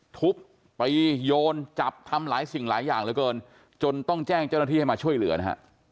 ทุบไปโยนจับทำหลายสิ่งหลายอย่างเหลือเกินจนต้องแจ้งเจ้าหน้าที่ให้มาช่วยเหลือนะฮะ